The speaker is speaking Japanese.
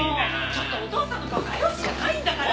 ちょっとお父さんの顔画用紙じゃないんだから！